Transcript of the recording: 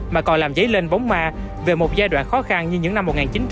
mà còn làm dấy lên bóng ma về một giai đoạn khó khăn như những năm một nghìn chín trăm bảy mươi